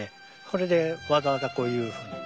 それでわざわざこういうふうに。